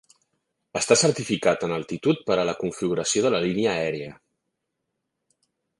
Està certificat en altitud per a la configuració de la línia aèria.